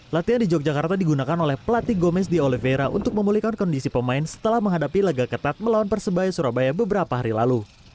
latihan di yogyakarta digunakan oleh pelatih gomez di oliveira untuk memulihkan kondisi pemain setelah menghadapi laga ketat melawan persebaya surabaya beberapa hari lalu